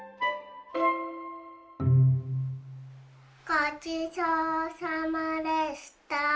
ごちそうさまでした。